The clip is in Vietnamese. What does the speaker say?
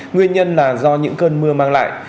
nguyên nhân là do những cơn mưa mang lại